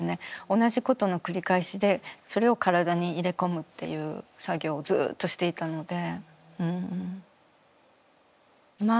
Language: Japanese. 同じことの繰り返しでそれを体に入れ込むっていう作業をずっとしていたので。